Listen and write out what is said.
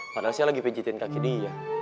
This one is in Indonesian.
padahal saya lagi pencitin kaki dia